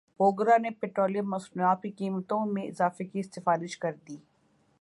اوگرا نے پیٹرولیم مصنوعات کی قیمتوں میں اضافے کی سفارش کردی